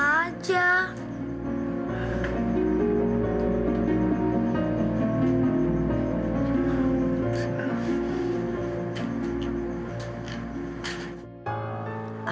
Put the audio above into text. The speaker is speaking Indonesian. aku harus dukung tiara untuk terus kerja